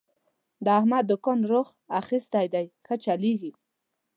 د احمد دوکان روخ اخستی دی، ښه چلېږي.